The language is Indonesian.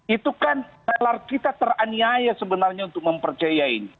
itu kan nalar kita teraniaya sebenarnya untuk mempercayai